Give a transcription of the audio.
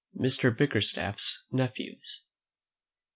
MR. BICKERSTAFF'S NEPHEWS.